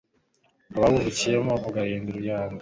abawuvukiyemo ubahindukira ihanga